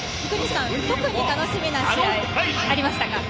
特に楽しみな試合ありましたか？